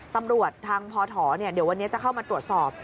ตำรวจทางพอถอเดี๋ยววันนี้จะเข้ามาตรวจสอบ